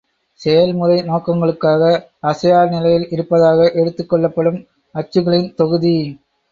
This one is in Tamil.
செயல்முறை நோக்கங்களுக்காக அசையா நிலையில் இருப்பதாக எடுத்துக் கொள்ளப்படும் அச்சுகளின் தொகுதி.